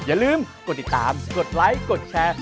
อย่าลืมกดติดตามกดไลค์กดแชร์